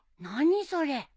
何それ？